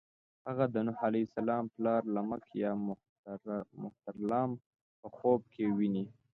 هغه د نوح علیه السلام پلار لمک یا مهترلام په خوب کې ويني.